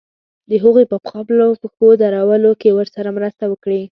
د هغوی په خپلو پښو درولو کې ورسره مرسته وکړي.